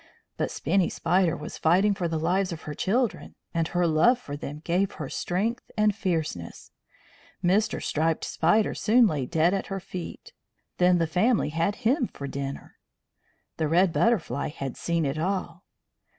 But Spinny Spider was fighting for the lives of her children, and her love for them gave her strength and fierceness. Mr. Striped Spider soon lay dead at her feet. Then the family had him for dinner. The Red Butterfly had seen it all.